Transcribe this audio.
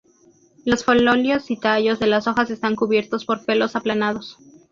Los foliolos y tallos de las hojas están cubiertos por pelos aplanados.